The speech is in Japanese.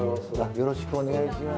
よろしくお願いします。